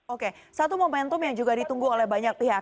oke satu momentum yang juga ditunggu oleh banyak pihak